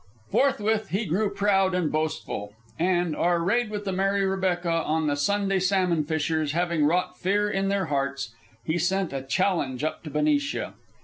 Forthwith he grew proud and boastful: and, our raid with the Mary Rebecca on the Sunday salmon fishers having wrought fear in their hearts, he sent a challenge up to Benicia.